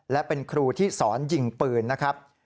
และเป็นครูที่สอนยิงปืนนะครับ